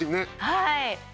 はい。